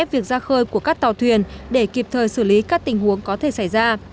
việc ra khơi của các tàu thuyền để kịp thời xử lý các tình huống có thể xảy ra